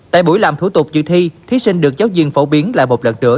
tại buổi làm thủ tục dự thi thí sinh được giáo viên phổ biến lại một lần nữa